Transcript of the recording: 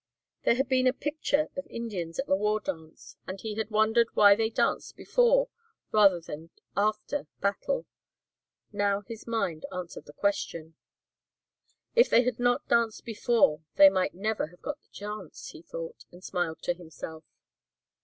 There had been a picture of Indians at the war dance and he had wondered why they danced before rather than after battle. Now his mind answered the question. "If they had not danced before they might never have got the chance," he thought, and smiled to himself.